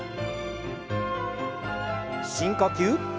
深呼吸。